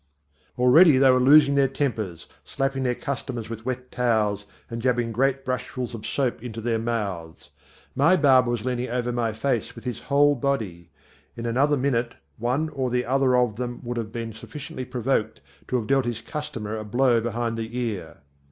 Already they were losing their tempers, slapping their customers with wet towels and jabbing great brushfuls of soap into their mouths. My barber was leaning over my face with his whole body. In another minute one or the other of them would have been sufficiently provoked to have dealt his customer a blow behind the ear.